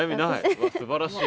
すばらしい。